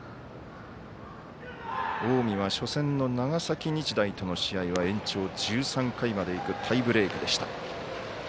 近江は初戦の長崎日大との試合は延長１３回までいくタイブレークでした。